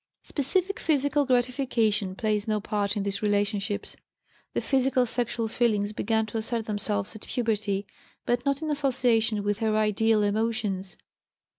Specific physical gratification plays no part in these relationships. The physical sexual feelings began to assert themselves at puberty, but not in association with her ideal emotions.